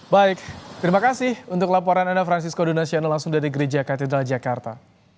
baik terima kasih untuk laporan anda francisco donasiana langsung dari gereja katedral jakarta